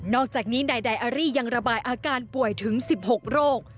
อกจากนี้นายไดอารี่ยังระบายอาการป่วยถึง๑๖โรค